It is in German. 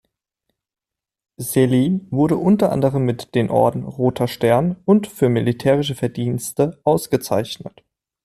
Selin wurde unter anderem mit den Orden „Roter Stern“ und „Für militärische Verdienste“ ausgezeichnet.